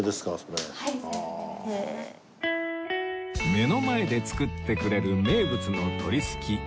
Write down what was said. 目の前で作ってくれる名物の鳥すき